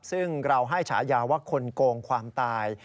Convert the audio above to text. ซึ่งเราให้ฉายาว่าคนโกงความตาย